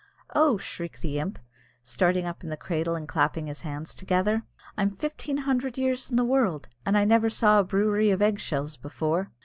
"Oh!" shrieked the imp, starting up in the cradle, and clapping his hands together, "I'm fifteen hundred years in the world, and I never saw a brewery of egg shells before!"